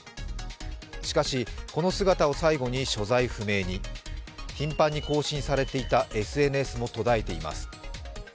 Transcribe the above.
しかし、この姿を最後に所在不明に頻繁に更新されていたＳＮＳも途絶えています。